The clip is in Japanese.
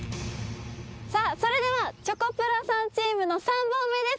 さあそれではチョコプラさんチームの３本目です。